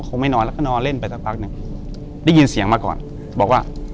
ไม่นอนแล้วก็นอนเล่นไปสักพักหนึ่งได้ยินเสียงมาก่อนบอกว่า